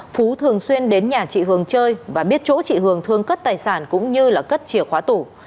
phú thường xuyên đến nhà chị hường chơi và biết chỗ chị hường thương cất tài sản cũng như là cất chìa khóa tủ